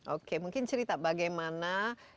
oke mungkin cerita bagaimana